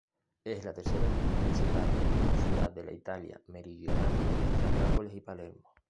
Es la tercera principal ciudad de la Italia meridional tras Nápoles y Palermo.